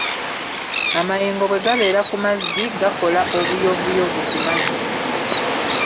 Amayengo bwe gabeera ku mazzi gakola obuyovuyovu ku mazzi.